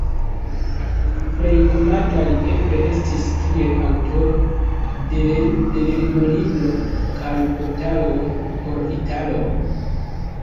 Plej konata li eble estis kiel aŭtoro de lernolibro kaj vortaroj por italoj.